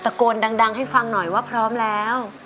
โกนดังให้ฟังหน่อยว่าพร้อมแล้ว